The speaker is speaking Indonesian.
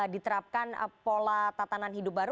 diterapkan pola tatanan hidup baru